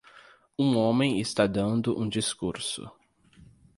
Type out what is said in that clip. Um homem está dando um discurso